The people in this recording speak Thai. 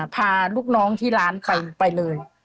พาลูกน้องที่ร้านไปเลย